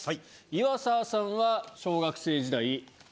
岩沢さんは小学生時代。